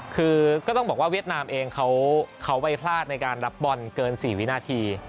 คือก็ต้องบอกว่าเวียดนามเองเขาไม่พลาดในการรับบอลเกิน๔วินาที